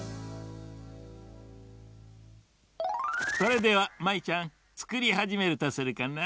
それでは舞ちゃんつくりはじめるとするかな。